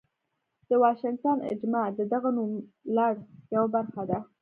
د واشنګټن اجماع د دغه نوملړ یوه برخه ده.